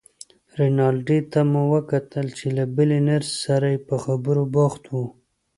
رینالډي ته مو وکتل چې له بلې نرسې سره په خبرو بوخت و.